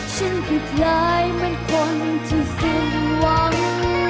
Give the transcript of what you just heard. ฉันคือใครเป็นคนที่ซึมหวัง